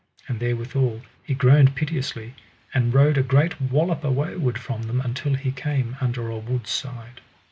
And therewithal he groaned piteously, and rode a great wallop away ward from them until he came under a wood's side.